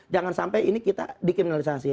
jangan sampai ini kita dikriminalisasi